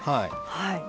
はい。